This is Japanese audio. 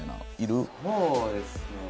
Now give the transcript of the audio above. そうですね。